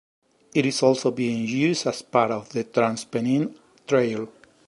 It is also being used as part of the Trans Pennine Trail.